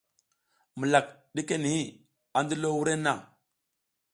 Mulak ɗike niʼhi, a ndilo wurenna.